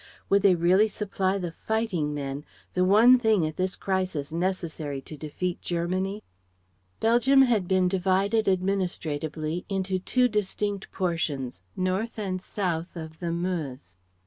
Would they really supply the fighting men, the one thing at this crisis necessary to defeat Germany? Belgium had been divided administratively into two distinct portions, north and south of the Meuse.